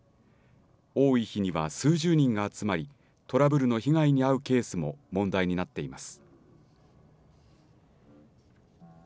多い日には数十人が集まりトラブルの被害に遭うケースも問題になっています。